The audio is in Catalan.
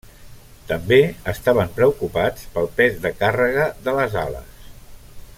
També estaven preocupats pel pes de càrrega de les ales.